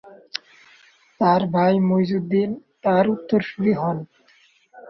তার ভাই মুইজউদ্দিন তার উত্তরসুরি হন।